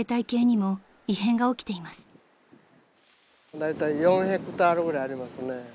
だいたい４ヘクタールぐらいありますね。